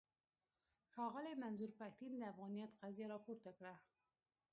ښاغلي منظور پښتين د افغانيت قضيه راپورته کړه.